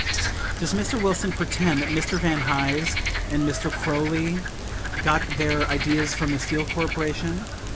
Does Mr. Wilson pretend that Mr. Van Hise and Mr. Croly got their ideas from the Steel Corporation?